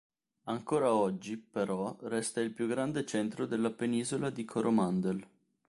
Ancora oggi, però, resta il più grande centro della Penisola di Coromandel.